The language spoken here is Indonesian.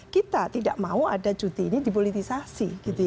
kita tidak mau ada cuti ini dipolitisasi